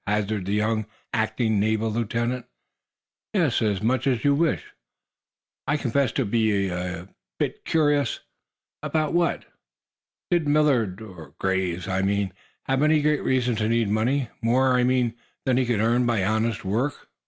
hazarded the young acting naval lieutenant. "Yes; as much as you wish." "I confess to being a bit curious." "About what?" "Did Millard Graves, I mean, have any great reason to need money? More, I mean, than he could earn by honest work?"